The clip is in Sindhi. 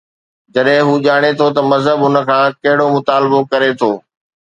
جڏهن هو ڄاڻي ٿو ته مذهب هن کان ڪهڙو مطالبو ڪري ٿو؟